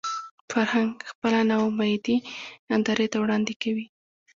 فرهنګ خپله ناامیدي نندارې ته وړاندې کوي